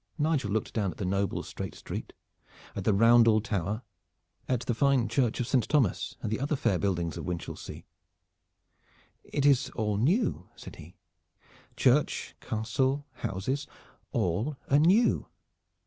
Nigel looked down at the noble straight street, at the Roundel Tower, at the fine church of Saint Thomas, and the other fair buildings of Winchelsea. "It is all new," said he "church, castle, houses, all are new."